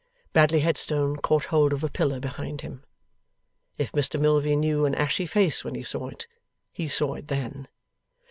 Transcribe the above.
Bradley Headstone caught hold of a pillar behind him. If Mr Milvey knew an ashy face when he saw it, he saw it then.